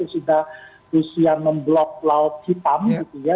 sudah rusia memblok laut hitam gitu ya